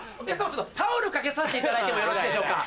ちょっとタオルかけさせていただいてもよろしいでしょうか？